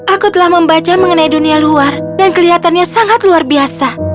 aku telah membaca mengenai dunia luar dan kelihatannya sangat luar biasa